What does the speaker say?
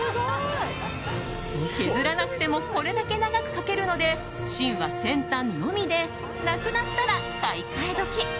削らなくてもこれだけ長く書けるので芯は先端のみでなくなったら買い換え時。